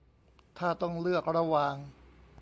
ถ้าต้องเลือกระหว่าง